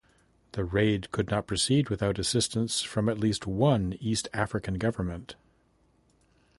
The raid could not proceed without assistance from at least one East African government.